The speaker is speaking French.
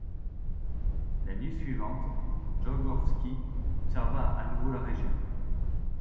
La nuit suivante, Djorgovski observa à nouveau la région.